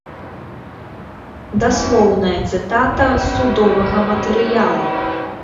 Даслоўная цытата з судовага матэрыялу.